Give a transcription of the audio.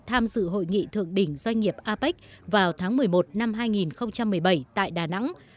tham dự hội nghị thượng đỉnh doanh nghiệp apec vào tháng một mươi một năm hai nghìn một mươi bảy tại đà nẵng